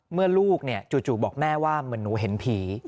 เมื่อลูกจู่บอกแม่ว่าเหมือนหนูเห็นผี